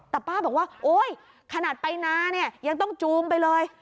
แต่ป้าบอกว่าโอ๊ยขนาดไปนาเนี่ยยังต้องจูงไปเลย